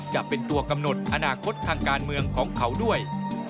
จะเป็นตัวกำหนดอนาคตทางการเมืองของเขาด้วย